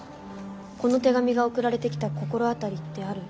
この手紙が送られてきた心当たりってある？